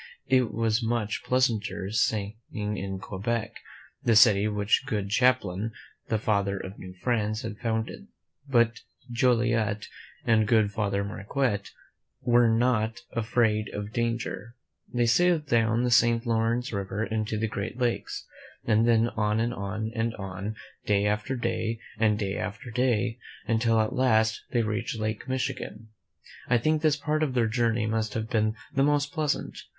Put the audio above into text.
It was much pleasanter staying in Quebec, the city which good Champlain, the Father of New France, had founded; but Joliet and good Father Marquette were not afraid of danger. They sailed down the St. Lawrence River into the Great Lakes, and then on and on and on, day after day, and day after day, until at last they reached Lake Michigan. I think this part of their journey must have been the most pleasant.